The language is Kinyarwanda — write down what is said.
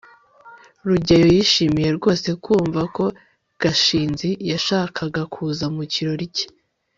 rugeyo yishimiye rwose kumva ko gashinzi yashakaga kuza mu kirori cye